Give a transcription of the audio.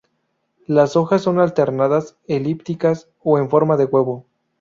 Las hojas son alternadas, elípticas o en forma de huevo.